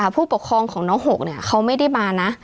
ผู้ปกครองของน้อง๖เขาไม่ได้มานะ